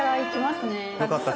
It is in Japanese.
よかった。